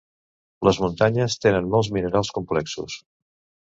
Les muntanyes tenen molts minerals complexos.